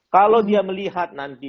kalau dia melihat nanti